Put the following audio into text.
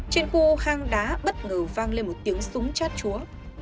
trên khu hang đá bất ngờ vang lên một tiếng súng chát chúa